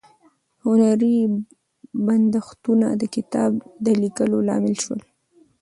هنري بندښتونه د کتاب د لیکلو لامل شول.